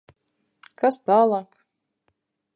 Kas tālāk?